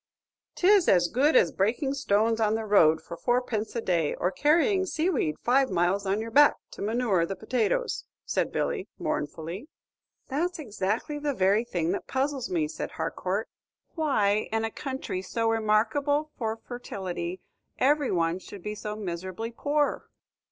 "'Tis as good as breaking stones on the road for four pence a day, or carrying sea weed five miles on your back to manure the potatoes," said Billy, mournfully. "That's exactly the very thing that puzzles me," said Harcourt, "why, in a country so remarkable for fertility, every one should be so miserably poor!"